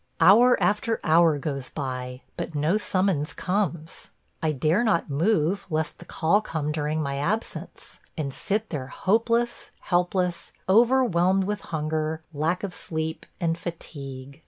Hour after hour goes by, but no summons comes. I dare not move lest the call come during my absence, and sit there hopeless, helpless, overwhelmed with hunger, lack of sleep, and fatigue.